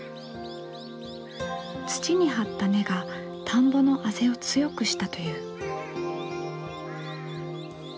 土に張った根が田んぼのあぜを強くしたという。